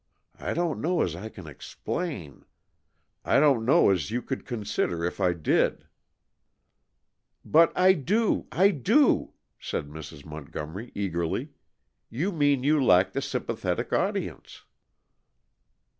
I don't know as I can explain; I don't know as you could understand if I did " "But I do, I do," said Mrs. Montgomery eagerly. "You mean you lack the sympathetic audience."